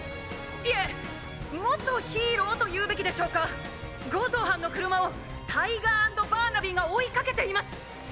「いえ元ヒーローと言うべきでしょうか⁉強盗犯の車をタイガー＆バーナビーが追いかけています！」